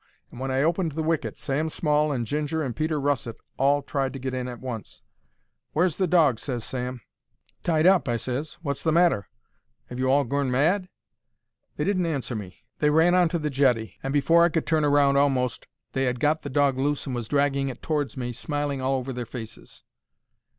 And when I opened the wicket Sam Small and Ginger and Peter Russet all tried to get in at once. "Where's the dog?" ses Sam. "Tied up," I ses. "Wot's the matter? 'Ave you all gorn mad?" They didn't answer me. They ran on to the jetty, and afore I could turn round a'most they 'ad got the dog loose and was dragging it towards me, smiling all over their faces.